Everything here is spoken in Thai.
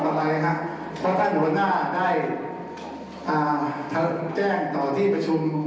ครับเพราะท่านหัวหน้าได้แจ้งต่อที่ประชุม